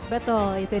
betul itu dia